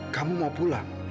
kamu mau pulang